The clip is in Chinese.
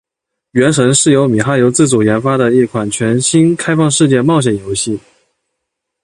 《原神》是由米哈游自主研发的一款全新开放世界冒险游戏。